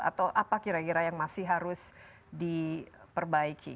atau apa kira kira yang masih harus diperbaiki